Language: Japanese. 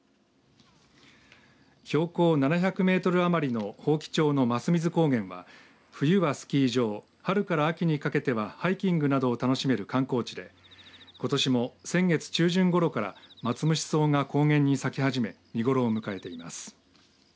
標高７００メートル余りの伯耆町の桝水高原は冬はスキー場春から秋にかけてはハイキングなどを楽しめる観光地でことしも先月中旬ごろからマツムシソウが高原に咲き始め見頃を迎えています。